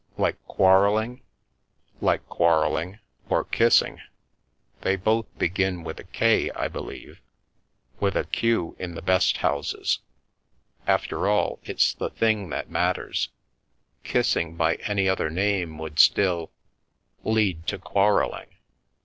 " Like quarrelling ?" "Like quarrelling— or kissing — they both begin with a 'K/ I believe?" " With a ' Q/ in the best houses." "After all, it's the thing that matters. Kissing by any other name would still " "Lead to quarrelling.